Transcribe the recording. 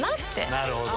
なるほど。